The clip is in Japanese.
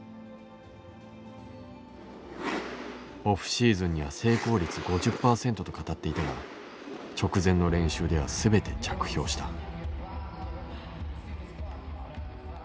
オフシーズンには成功率５０％と語っていたが直前の練習では全て着氷した。